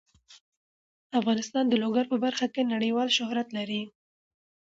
افغانستان د لوگر په برخه کې نړیوال شهرت لري.